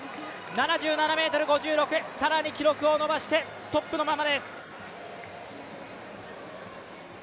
７７ｍ５６、さらに記録を伸ばしてトップのままです。